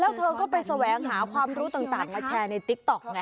แล้วเธอก็ไปแสวงหาความรู้ต่างมาแชร์ในติ๊กต๊อกไง